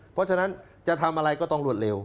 เพราะฉะนั้นจะทำอะไรก็ต้องรวดเร็ว